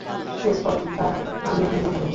Prescott চায় আমি এখনই দেখা করি।